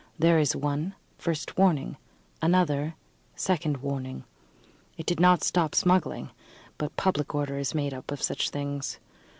There is one, first warning; another, second warning. It did not stop smuggling; but public order is made up of such things.